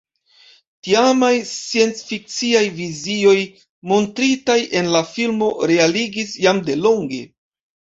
Tiamaj sciencfikciaj vizioj montritaj en la filmo realigis jam delonge.